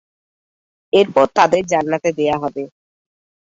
এরপর তাদের জান্নাতে দেওয়া হবে।